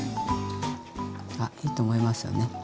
あっいいと思いますよね。